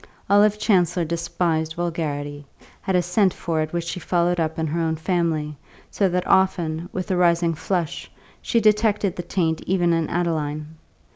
Olive Chancellor despised vulgarity, had a scent for it which she followed up in her own family, so that often, with a rising flush, she detected the taint even in Adeline.